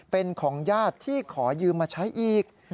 เป็นของญาติที่ขอยืมมาใช้อีก